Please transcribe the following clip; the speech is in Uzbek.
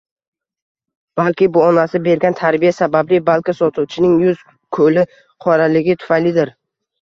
Balki bu onasi bergan tarbiya sababli, balki sotuvchining yuz-ko'li qoraligi tufaylidir.